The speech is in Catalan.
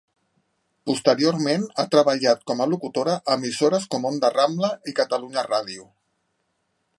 Posteriorment ha treballat com a locutora a emissores com Onda Rambla i Catalunya Ràdio.